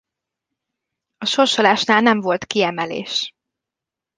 A sorsolásnál nem volt kiemelés.